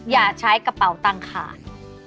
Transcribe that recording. อย่าใช้กระเป๋าตังค์ขาด